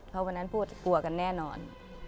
เพราะวันนั้นพูดกลัวกันแน่นอน